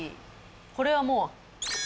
これはもう。